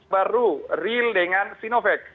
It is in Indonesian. baru real dengan sinovac